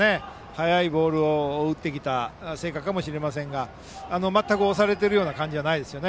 速いボールを打ってきた成果かもしれませんが全く押されているような感じはないですね。